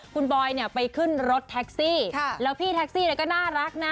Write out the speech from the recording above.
คุณบ่อยไปขึ้นรถแท็กซี่แล้วพี่แท็กซี่ช่วยน่ารักนะ